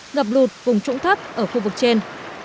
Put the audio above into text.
ngập lụt vùng trũng thấp ở khu vực trên